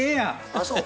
あっそう？